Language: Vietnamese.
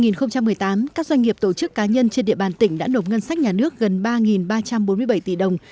năm hai nghìn một mươi tám các doanh nghiệp tổ chức cá nhân trên địa bàn tỉnh đã nộp ngân sách nhà nước gần ba ba trăm bốn mươi bảy tỷ đồng